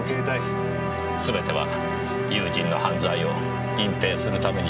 すべては友人の犯罪を隠蔽するためにです。